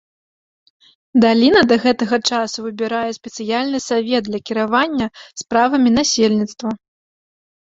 Даліна да гэтага часу выбірае спецыяльны савет для кіравання справамі насельніцтва.